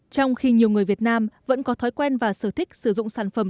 trong khi nhiều người việt nam vẫn có thói quen và sở thích sử dụng sản phẩm